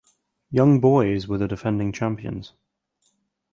Young Boys were the defending champions.